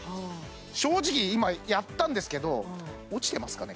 正直今やったんですけど落ちてますかね